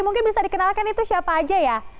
mungkin bisa dikenalkan itu siapa aja ya